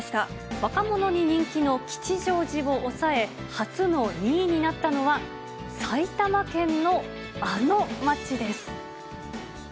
若者に人気の吉祥寺を抑え、初の２位になったのは埼玉県のあの街です。